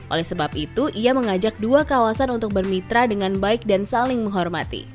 oleh sebab itu ia mengajak dua kawasan untuk bermitra dengan baik dan saling menghormati